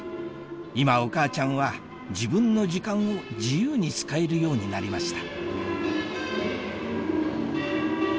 今お母ちゃんは自分の時間を自由に使えるようになりました